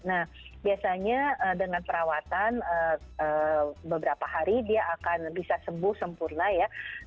nah biasanya dengan perawatan beberapa hari dia akan bisa sembuh sempurna ya